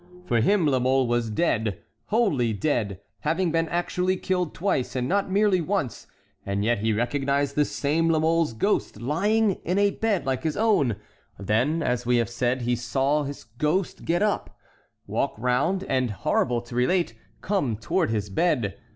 For him La Mole was dead, wholly dead, having been actually killed twice and not merely once, and yet he recognized this same La Mole's ghost lying in a bed like his own; then, as we have said, he saw this ghost get up, walk round, and, horrible to relate, come toward his bed.